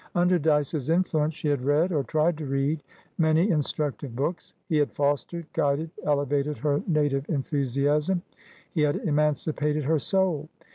Under Dyce's influence she had reador tried to readmany instructive books; he had fostered, guided, elevated her native enthusiasm; he had emancipated her soul.